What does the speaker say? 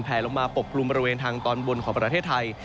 ลงมาปกกลุ่มบริเวณทางตอนบนของประเทศไทย